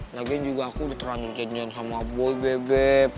lagian juga aku diterangin jajan sama boy bebep